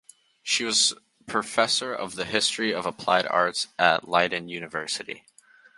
She was professor of the history of applied arts at Leiden University.